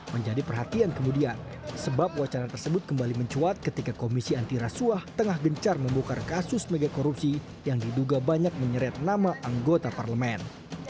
menjadi perhatian kemudian sebab wacana tersebut kembali mencuat ketika komisi antirasuah tengah gencar membukar kasus mega korupsi yang diduga banyak menyeret nama anggota parlemen